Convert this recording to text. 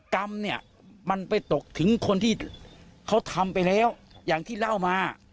กรรมเนี่ยมันไปตกถึงคนที่เขาทำไปแล้วอย่างที่เล่ามา